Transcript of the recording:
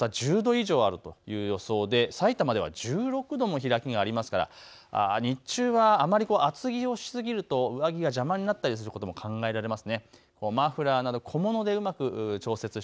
各地、朝と昼の気温の差１０度以上あるという予想でさいたまでは１６度も開きがありますから日中はあまり厚着をしすぎると上着が邪魔になったりすることも考えられます。